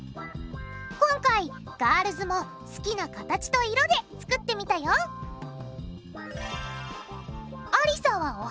今回ガールズも好きな形と色で作ってみたよありさはお花。